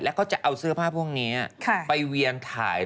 แล้วก็จะเอาเสื้อผ้าพวกนี้ไปเวียนถ่าย